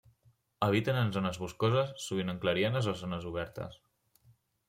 Habiten en zones boscoses, sovint en clarianes o zones obertes.